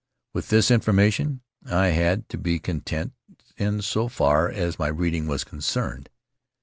With this information I had to be content in so far as my reading was concerned.